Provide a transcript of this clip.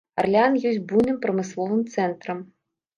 Арлеан ёсць буйным прамысловым цэнтрам.